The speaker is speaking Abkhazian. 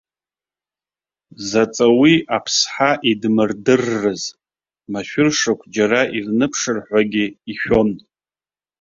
Заҵа уи аԥсҳа идмырдыррыз, машәыршақә џьара ирныԥшырҳәагьы ишәон.